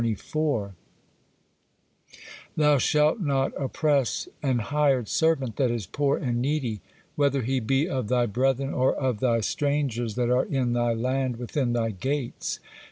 — 'Thou shalt not oppress an hired servant that is poor and needy, whether he be of thy brethren or of thy strangers that are in thy land within thy gates.